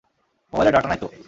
মোবাইলে ডাটা নাই তো।